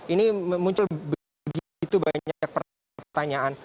ini muncul begitu banyak pertanyaan